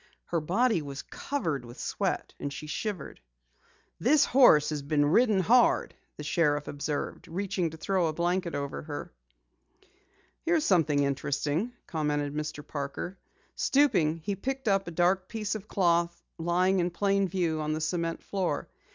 Her body was covered with sweat, and she shivered. "This horse has been ridden hard," the sheriff observed, reaching to throw a blanket over her. "Here's something interesting," commented Mr. Parker. Stooping, he picked up a dark piece of cloth lying in plain view on the cement floor.